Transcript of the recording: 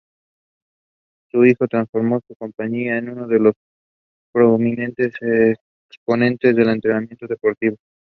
Su hijo transformó su compañía en uno de los prominentes exponentes del entretenimiento deportivo.